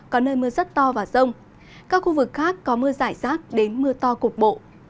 có nơi mưa rất to và rông các khu vực khác có mưa giải rác đến mưa to cục bộ